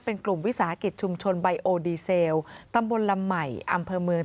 เป็นกลุ่มวิสาหกิจชุมชนไบโอดีเซลตำบลลำใหม่อำเภอเมือง